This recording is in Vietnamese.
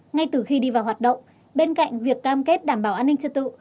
ngay từ khi đi vào hoạt động bên cạnh việc cam kết đảm bảo an ninh trật tự